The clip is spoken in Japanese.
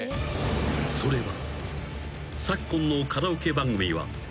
［それは］